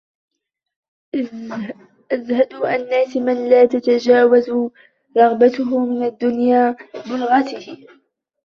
أَزْهَدُ النَّاسِ مَنْ لَا تَتَجَاوَزُ رَغْبَتُهُ مِنْ الدُّنْيَا بُلْغَتِهِ